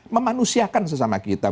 memanusiakan sesama kita